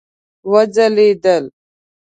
وځلیدل